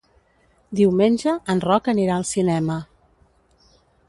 Diumenge en Roc anirà al cinema.